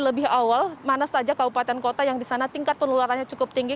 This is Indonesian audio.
lebih awal mana saja kabupaten kota yang di sana tingkat penularannya cukup tinggi